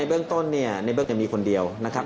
ในเบื้องต้นในเบื้องก็มีคนเดียวนะครับ